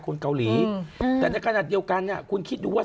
คนกับเขาหลีอืมแต่ในขณะเดียวกันเนี้ยคุณคิดดูว่า